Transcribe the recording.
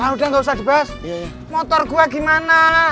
udah gak usah dibahas motor gua gimana